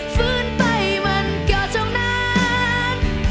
ฟื้นไปมันก็เท่านั้น